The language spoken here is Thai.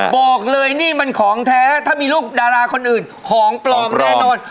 บอกเลยนี่มันของแท้ถ้ามีลูกดาราคนอื่นของปลอมแน่นอน